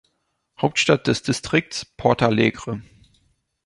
Hauptstadt des Distrikts: Portalegre.